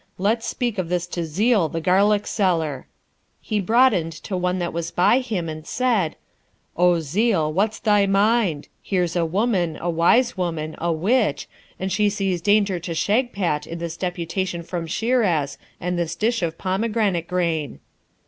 let's speak of this to Zeel, the garlic seller.' He broadened to one that was by him, and said, 'O Zeel, what's thy mind? Here's a woman, a wise woman, a witch, and she sees danger to Shagpat in this deputation from Shiraz and this dish of pomegranate grain.'